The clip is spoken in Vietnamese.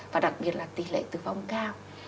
và đặc biệt là tỷ lệ tử vong cao